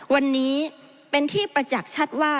วันนี้เป็นที่ประจักษ์ชัดว่า